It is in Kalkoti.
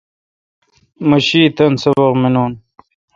مہ شی تان سبق منون۔